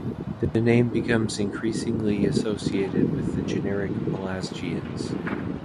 The name becomes increasingly associated with the generic Pelasgians.